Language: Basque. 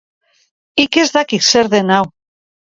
Hik ez dakik zer den hau.